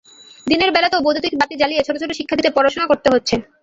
দিনের বেলাতেও বৈদ্যুতিক বাতি জ্বালিয়ে ছোট ছোট শিক্ষার্থীদের পড়াশোনা করতে হচ্ছে।